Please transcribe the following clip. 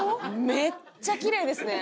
めっちゃきれいですね。